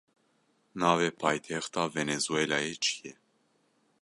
Navê paytexta Venezuelayê çi ye?